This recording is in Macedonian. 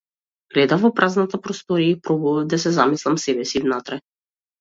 Гледав во празната просторија и пробував да се замислам себеси внатре.